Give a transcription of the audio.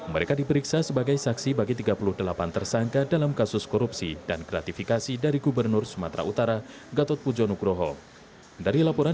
mereka diperiksa sebagai saksi bagi tiga puluh delapan tersangka dalam kasus kejaksaan tinggi sumatera utara